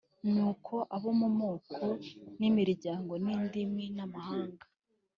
Nuko abo mu moko n’imiryango n’indimi n’amahanga,